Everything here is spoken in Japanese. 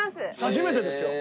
初めてですよ。